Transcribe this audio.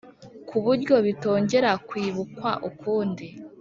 ku buryo bitongera kwibukwa ukundi